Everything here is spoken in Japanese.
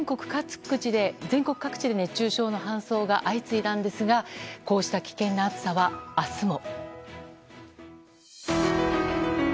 全国各地で熱中症の搬送が相次いだんですがこうした危険な暑さは明日も。